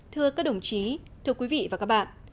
thưa các đồng chí thưa quý vị và các bạn